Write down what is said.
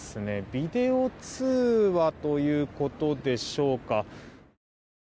ビデオ通話ということでしょうか。